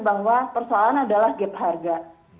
bahwa persoalan adalah gap harga